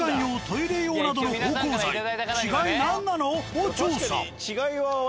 を調査。